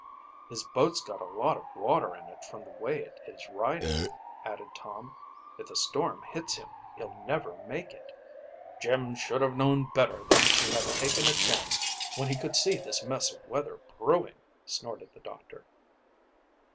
"His boat's got a lot of water in it from the way it is riding," added Tom. "If the storm hits him he'll never make it." "Jim should have known better than to have taken a chance when he could see this mess of weather brewing," snorted the doctor.